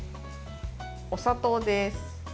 お砂糖です。